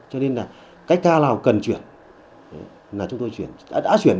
cho nên là cách tha nào cần chuyển là chúng tôi đã chuyển